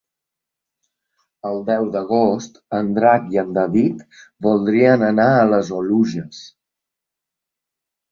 El deu d'agost en Drac i en David voldrien anar a les Oluges.